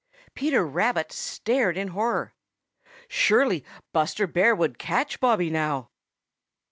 Peter Rabbit stared in horror. Surely Buster Bear would catch Bobby now!